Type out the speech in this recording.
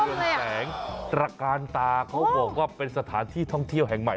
เรือนแสงตระกาลตาเขาบอกว่าเป็นสถานที่ท่องเที่ยวแห่งใหม่